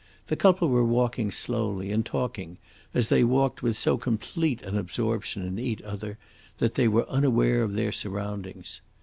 The couple were walking slowly, and talking as they walked with so complete an absorption in each other that they were unaware of their surroundings.